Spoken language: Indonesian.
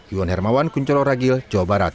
yuan hermawan kunchalo ragil jawa barat